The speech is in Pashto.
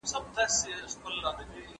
په ټولنه کي سوله يوازې په علم راځي.